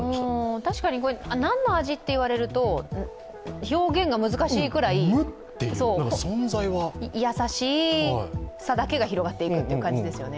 確かに何の味と言われると表現が難しいくらい、優しさだけが広がっていく感じですよね。